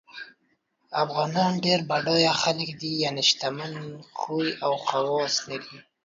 افغانان ډېر بډایه خلګ دي یعنی شتمن خوی او خواص لري